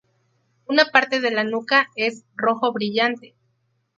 Una parte de la nuca es rojo brillante.